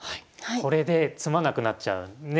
これで詰まなくなっちゃうね。